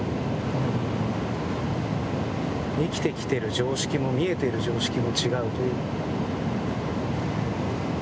生きてきている常識も見えている常識も違う。